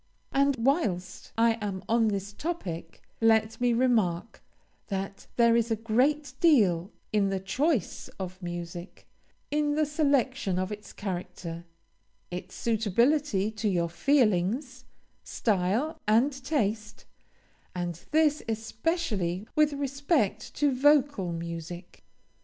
And, whilst I am on this topic, let me remark that there is a great deal in the choice of music, in the selection of its character, its suitability to your feelings, style, and taste, and this especially with respect to vocal music.